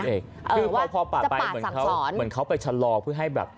พูดเองเออว่าจะปาดสั่งสอนเหมือนเขาไปชะลอเพื่อให้แบบ